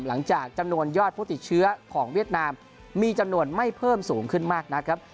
หลังจากจำนวนยอดผู้ติดเชื้อของเวียดนามมีจำนวนไม่เพิ่มสูงขึ้นมากนักครับ